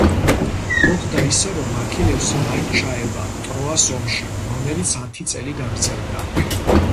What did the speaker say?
მოხდა ისე, რომ აქილევსი მაინც ჩაება ტროას ომში, რომელიც ათი წელი გაგრძელდა.